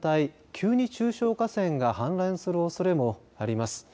急に中小河川が氾濫するおそれもあります。